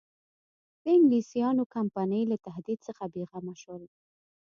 د انګلیسیانو کمپنۍ له تهدید څخه بېغمه شول.